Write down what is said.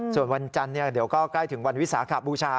ส่วนวันจันทร์เดี๋ยวก็ใกล้ถึงวันวิสาขบูชา